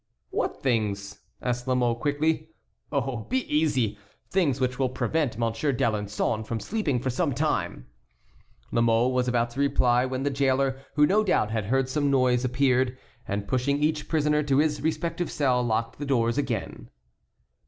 "What things?" asked La Mole, quickly. "Oh, be easy—things which will prevent Monsieur d'Alençon from sleeping for some time." La Mole was about to reply when the jailer, who no doubt had heard some noise, appeared, and pushing each prisoner into his respective cell, locked the doors again.